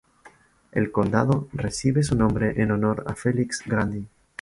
El condado recibe su nombre en honor a Felix Grundy.